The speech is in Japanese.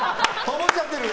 思っちゃってる！